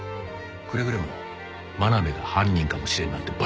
くれぐれも真鍋が犯人かもしれんなんてバラすなよ。